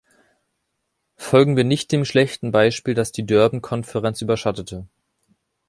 Folgen wir nicht dem schlechten Beispiel, das die Durban-Konferenz überschattete.